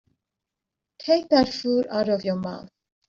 Take that food out of your mouth.